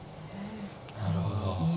なるほど。